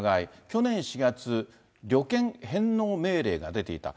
去年４月、旅券返納命令が出ていた。